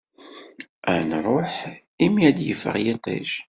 Ad nruḥ imi ad d-yeffeɣ yiṭij.